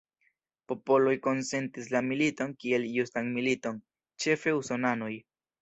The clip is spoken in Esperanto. Popoloj konsentis la militon kiel justan militon, ĉefe usonanoj.